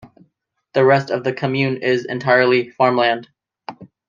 The rest of the commune is entirely farmland.